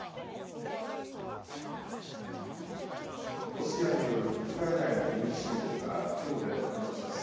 ロシアによるウクライナへの軍事侵攻からきょうで半年です。